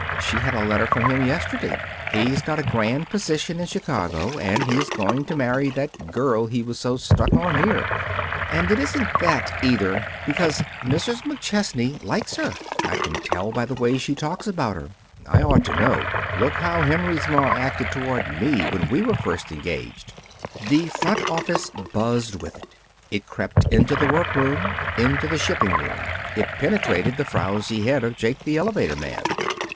She had a letter from him yesterday. He's got a grand position in Chicago, and he's going to marry that girl he was so stuck on here. And it isn't that, either, because Mrs. McChesney likes her. I can tell by the way she talks about her. I ought to know. Look how Henry's ma acted toward me when we were first engaged!" The front office buzzed with it. It crept into the workroom into the shipping room. It penetrated the frowsy head of Jake, the elevator man.